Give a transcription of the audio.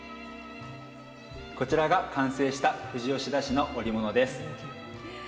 こちらが完成した富士吉田市の織物です。